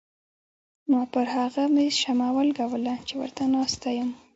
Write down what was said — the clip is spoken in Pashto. ما پر هغه مېز شمه ولګوله چې ورته ناسته یم.